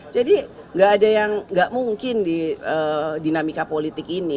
jadi gak ada yang gak mungkin di dinamika politik ini